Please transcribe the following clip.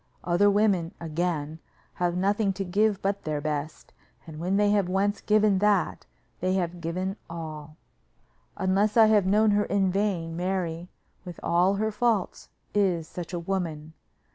Other women, again, have nothing to give but their best, and when they have once given that, they have given all. Unless I have known her in vain, Mary, with all her faults, is such a woman.